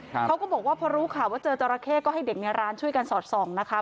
เขาก็บอกว่าพอรู้ข่าวว่าเจอจราเข้ก็ให้เด็กในร้านช่วยกันสอดส่องนะคะ